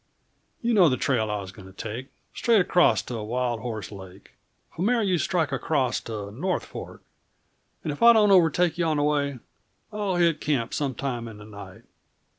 You know the trail I was going to take straight across to Wild Horse Lake. From there you strike across to North Fork and if I don't overtake you on the way, I'll hit camp some time in the night.